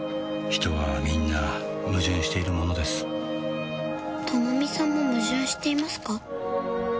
人はみんな矛盾しているものですともみさんも矛盾していますか？